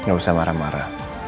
enggak usah marah marah